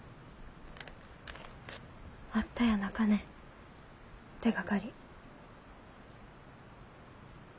あったやなかね手がかり。